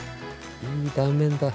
いい断面だ。